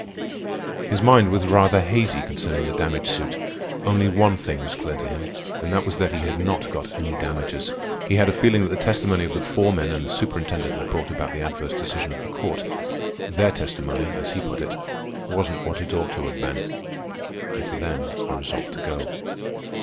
His mind was rather hazy concerning the damage suit. Only one thing was clear to him, and that was that he had not got any damages. He had a feeling that the testimony of the foremen and the superintendent had brought about the adverse decision of the court. Their testimony, as he put it, "wasn't what it ought to have ben." And to them I resolved to go.